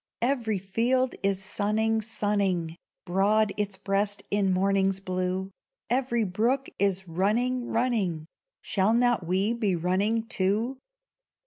Every field is sunning, sunning Broad its breast in morning's blue; Every brook is running, running, Shall not we be running, too?